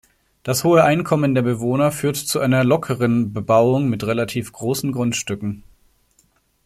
Das hohe Einkommen der Bewohner führt zu einer lockeren Bebauung mit relativ großen Grundstücken.